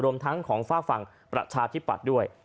รวมทั้งของฝากฝั่งประชาธิปัตย์ด้วย